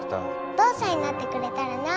お父さんになってくれたらな。